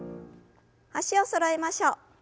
脚をそろえましょう。